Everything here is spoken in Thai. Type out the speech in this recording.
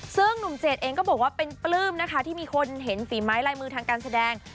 ซึ่งหนุ่มเจดเองก็บอกว่าเป็นปลื้มนะคะที่มีคนเห็นฝีไม้ลายมือทางการแสดง